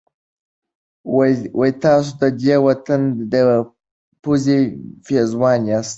تاسو د دې وطن د پوزې پېزوان یاست.